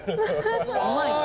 うまい。